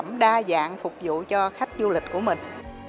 làm sao có sản phẩm đa dạng phục vụ cho khách du lịch của mình